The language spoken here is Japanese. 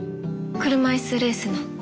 車いすレースの。